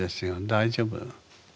大丈夫。